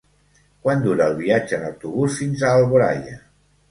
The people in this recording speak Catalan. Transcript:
Quant dura el viatge en autobús fins a Alboraia?